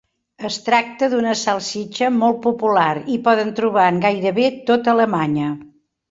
Es tracta d'una salsitxa molt popular, i poden trobar en gairebé tota Alemanya.